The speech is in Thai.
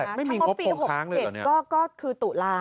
ยังไม่มีงบปี๖๗ก็คือตุลา